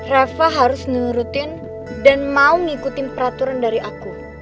rafa harus nurutin dan mau ngikutin peraturan dari aku